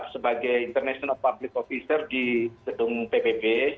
sebagai international public officer di gedung pbb